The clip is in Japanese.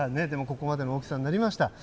でもここまでの大きさになりました。